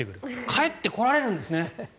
帰ってこられるんですね。